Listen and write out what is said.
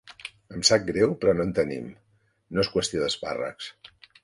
Em sap greu, però no en tenim, no és qüestió d'espàrrecs.